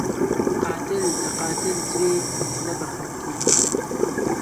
قاتل د قاتل زوی نه بخښل کېږي